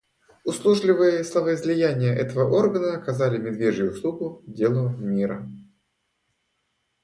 Услужливые словоизлияния этого органа оказали медвежью услугу делу мира.